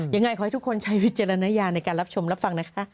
ยังไงขอให้ทุกคนใช้วิจารณญาณในการรับชมรับฟังนะคะ